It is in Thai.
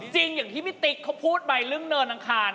อย่างที่พี่ติ๊กเขาพูดไปเรื่องเนินอังคาร